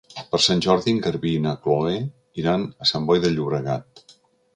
Per Sant Jordi en Garbí i na Chloé iran a Sant Boi de Llobregat.